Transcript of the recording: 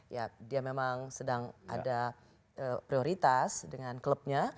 ya dia memang sedang ada prioritas dengan klubnya